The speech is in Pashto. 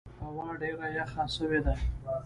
هوا ډېره یخه سوې ده.